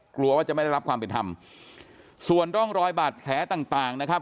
กลัวว่าจะไม่ได้รับความเป็นธรรมส่วนร่องรอยบาดแผลต่างต่างนะครับ